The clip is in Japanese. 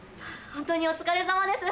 ホントにお疲れさまです。